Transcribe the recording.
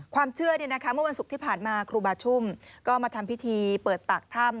เมื่อวันศุกร์ที่ผ่านมาครูบาชุ่มก็มาทำพิธีเปิดปากถ้ำ